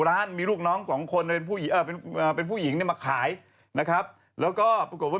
เอ้าฟ้องคนปล่อยภาพไป